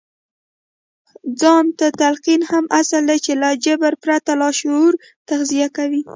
ځان ته تلقين هغه اصل دی چې له جبر پرته لاشعور تغذيه کوي.